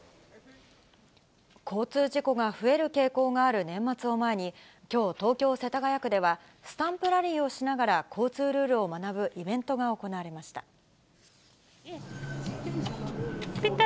交通事故が増える傾向がある年末を前に、きょう、東京・世田谷区では、スタンプラリーをしながら、交通ルールを学ぶイベントが行われました。